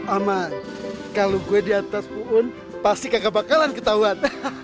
ama kalau gue di atas puun pasti kagak bakalan ketahuan